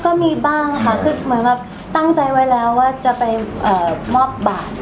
ก็มีบ้างค่ะคือเหมือนแบบตั้งใจไว้แล้วว่าจะไปมอบบาท